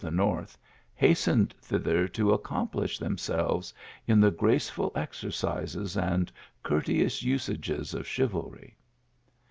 the north hastened thither, to accomplish themselves in the graceful exercises and courteous usages of chiv alry.